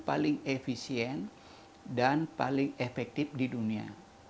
paling efisien dan paling efektif di dunia